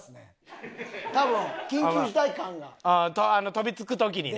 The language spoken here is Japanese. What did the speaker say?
飛びつく時にね。